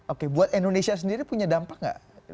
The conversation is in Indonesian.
oke buat indonesia sendiri punya dampak nggak